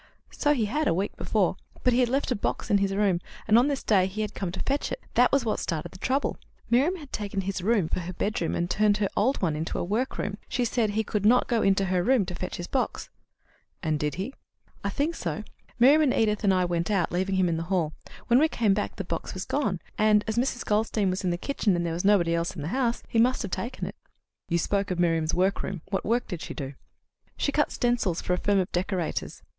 "So he had, a week before; but he had left a box in his room, and on this day he had come to fetch it. That was what started the trouble. Miriam had taken his room for her bedroom, and turned her old one into a workroom. She said he should not go to her room to fetch his box." "And did he?" "I think so. Miriam and Edith and I went out, leaving him in the hall. When we came back the box was gone, and, as Mrs. Goldstein was in the kitchen and there was nobody else in the house, he must have taken it." "You spoke of Miriam's workroom. What work did she do?" "She cut stencils for a firm of decorators."